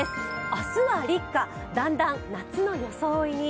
明日は立夏、だんだん夏の装いに。